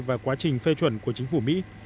và quá trình phê chuẩn của chính phủ mỹ